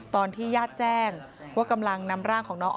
ตอนที่ญาติแจ้งว่ากำลังนำร่างของน้อง